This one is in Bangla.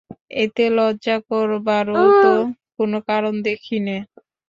এতে লজ্জা করবারও তো কোনো কারণ দেখি নে।